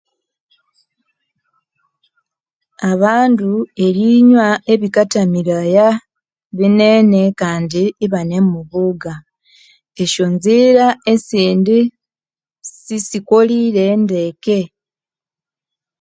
Abandu erinywa ebikathamiraya binene kandi ibanemuvuga esyo nzira esindi sisikolire ndeke